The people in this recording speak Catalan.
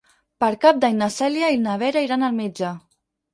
Per Cap d'Any na Cèlia i na Vera iran al metge.